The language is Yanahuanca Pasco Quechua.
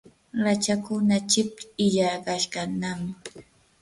rachakkuna chip illaqayashqanami.